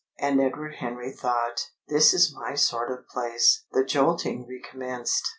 And Edward Henry thought: "This is my sort of place!" The jolting recommenced.